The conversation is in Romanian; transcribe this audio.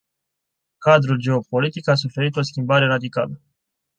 Cadrul geopolitic a suferit o schimbare radicală.